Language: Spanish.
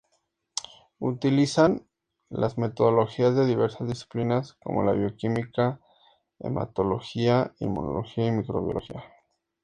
Utilizan las metodologías de diversas disciplinas como la bioquímica, hematología, inmunología y microbiología.